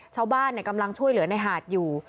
ชาวบ้านกำลังช่วยเหลือในหาดอยู่